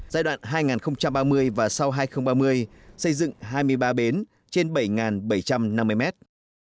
giai đoạn hai nghìn ba mươi và sau hai nghìn ba mươi xây dựng hai mươi ba bến trên bảy bảy trăm năm mươi mét